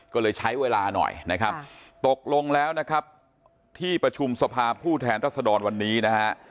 ก็เลยใช้เวลาหน่อยนะครับตกลงแล้วนะครับที่ประชุมสภาผู้แทนรัศดรวันนี้นะฮะ